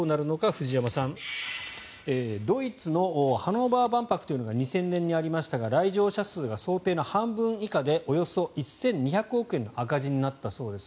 藤山さん、ドイツのハノーバー万博というのが２０００年にありましたが来場者数が想定の半分以下でおよそ１２００億円の赤字になったそうです。